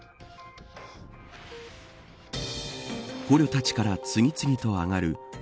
捕虜たちから次々とあがる